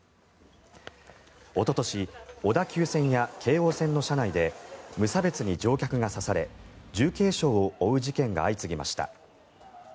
おととし小田急線や京王線の車内で無差別に乗客が刺され重軽傷を負う事件が相次ぎました。